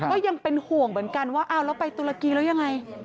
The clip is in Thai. ก็ยังเป็นห่วงเหมือนกันว่าเอาแล้วไปตุรกีแล้วยังไง